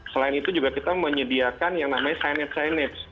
selain itu kita juga menyediakan yang namanya signage